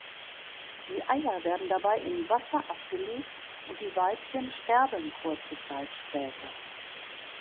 Die Eier werden dabei im Wasser abgelegt und die Weibchen sterben kurze Zeit später.